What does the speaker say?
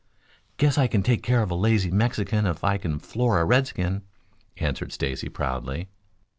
"Guess I can take care of a lazy Mexican if I can floor a redskin," answered Stacy proudly.